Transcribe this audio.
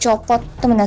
lo mau bebas gak